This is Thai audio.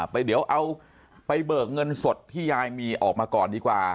ไปเดี๋ยวเอาไปเบิกเงินสดที่ยายมีออกมาก่อนดีกว่า